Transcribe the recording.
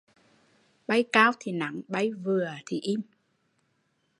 Bay cao thì nắng, bay vừa thì im